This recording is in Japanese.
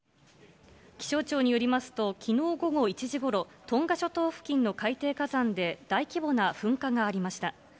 気象庁によりますと、きのう午後１時ごろ、トンガ諸島付近の海底火山で大規模な噴火がありました。